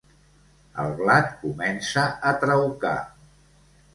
El blat comença a traucar.